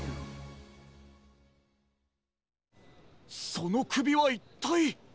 そのくびはいったい。